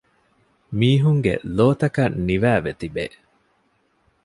މީހުންގެ ލޯތަކަށް ނިވައިވެ ތިބޭ